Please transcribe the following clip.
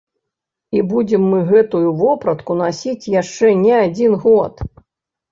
І будзем мы гэтую вопратку насіць яшчэ не адзін год.